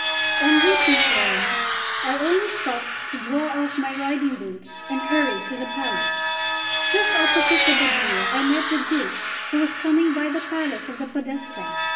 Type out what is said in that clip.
On reaching Florence, I only stopped to draw off my riding boots, and hurried to the palace. Just opposite the Badia I met the Duke, who was coming by the palace of the Podesta.